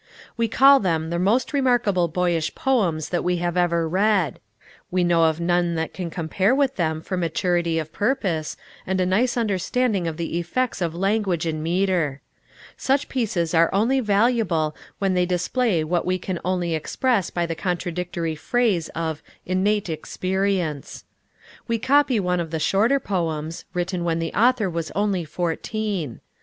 We call them the most remarkable boyish poems that we have ever read. We know of none that can compare with them for maturity of purpose, and a nice understanding of the effects of language and metre. Such pieces are only valuable when they display what we can only express by the contradictory phrase of innate experience. We copy one of the shorter poems, written when the author was only fourteen.